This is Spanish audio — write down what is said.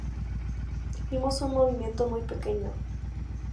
Fuimos un movimiento muy pequeño.